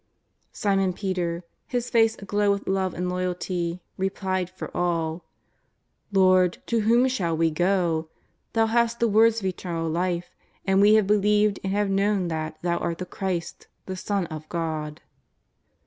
" 250 JESUS OF NAZAKETH. Simon Peter, his face aglow with love auJ loyalty> replied for all: *' Lord, to whom shall we go ? Thou hast the words of eternal life. And we have believed and have kno^vn that Thou art the Christ, the Son of God.''